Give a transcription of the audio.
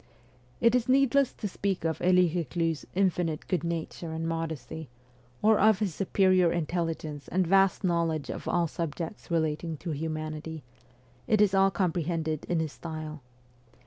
It is needless to speak of Elie Eeclus's infinite good nature and modesty, or of his superior intelligence and vast knowledge of all subjects relating to humanity ; it is all comprehended in his style.